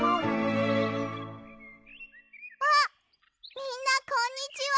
みんなこんにちは！